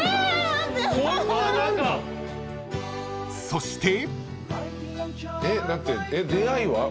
［そして］